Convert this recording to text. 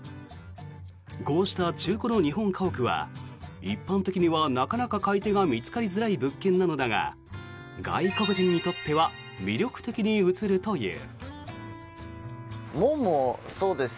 こうした中古の日本家屋は一般的にはなかなか買い手が見つかりづらい物件なのだが外国人にとっては魅力的に映るという。